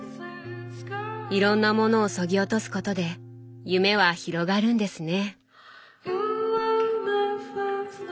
いろんなものをそぎ落とすことで夢は広がるんですね。